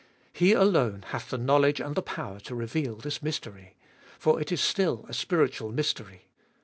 He alone hath the knowledge and the power to reveal this mystery. For it is still a spiritual mystery.